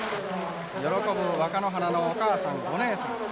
喜ぶ若乃花のお母さん、お姉さん。